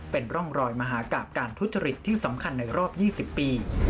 เป็นร่องรอยมหากราบการทุจริตที่สำคัญในรอบ๒๐ปี